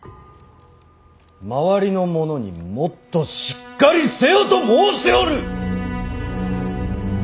周りの者にもっとしっかりせよと申しておる！